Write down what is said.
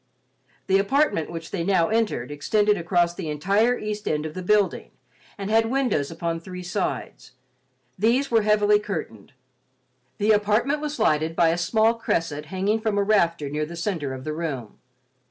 The apartment which they now entered extended across the entire east end of the building, and had windows upon three sides. These were heavily curtained. The apartment was lighted by a small cresset hanging from a rafter near the center of the room.